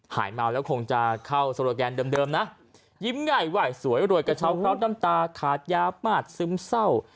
หายเมาแล้วคงจะเข้าโซโลแกนเดิมนะยิ้มง่ายไหว้สวยรวยกระเช้าเคราะห์น้ำตาขาดยาปาดซึมเศร้า